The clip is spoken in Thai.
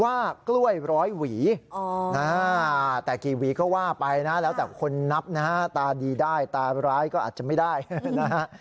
ว่ากล้วยร้อยหวีแต่กี่หวีก็ว่าไปนะแล้วแต่คนนับนะฮะตาดีได้ตาร้ายก็อาจจะไม่ได้นะฮะ